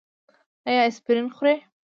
ایا اسپرین خورئ؟